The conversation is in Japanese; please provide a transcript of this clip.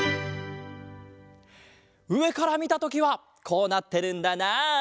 うえからみたときはこうなってるんだなあ。